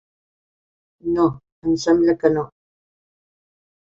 No, em sembla que no.